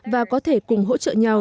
và có thể cùng hỗ trợ nhau